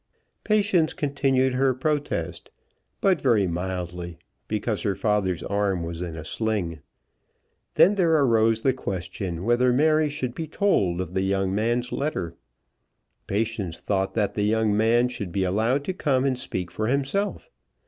Patience continued her protest, but very mildly, because her father's arm was in a sling. Then there arose the question whether Mary should be told of the young man's letter. Patience thought that the young man should be allowed to come and speak for himself.